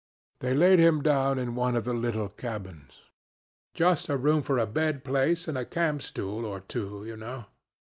They laid him down in one of the little cabins just a room for a bed place and a camp stool or two, you know.